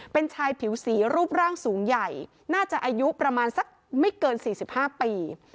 เป็นชายผิวสีรูปร่างสูงใหญ่น่าจะอายุประมาณสักไม่เกิน๔๕ปี